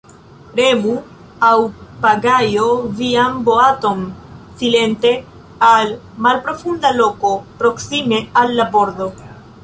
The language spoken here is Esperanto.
Remu aŭ pagaju vian boaton silente al malprofunda loko proksime al la bordo.